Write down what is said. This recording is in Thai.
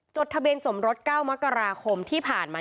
จดทะเบียนสมรส๙มกราคมที่ผ่านมา